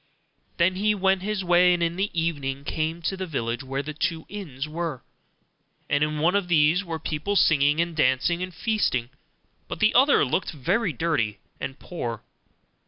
Then he went his way, and in the evening came to the village where the two inns were; and in one of these were people singing, and dancing, and feasting; but the other looked very dirty, and poor.